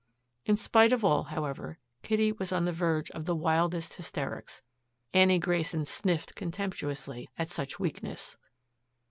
In spite of all, however, Kitty was on the verge of the wildest hysterics. Annie Grayson sniffed contemptuously at such weakness.